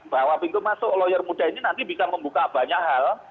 bahwa pintu masuk lawyer muda ini nanti bisa membuka banyak hal